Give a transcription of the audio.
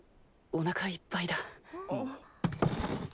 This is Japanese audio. おなかいっぱいだ。